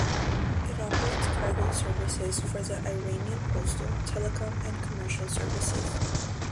It operates cargo services for the Iranian postal, telecom and commercial services.